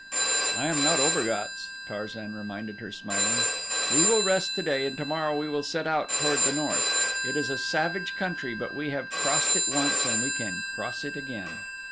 "I am not Obergatz," Tarzan reminded her, smiling. "We will rest today and tomorrow we will set out toward the north. It is a savage country, but we have crossed it once and we can cross it again."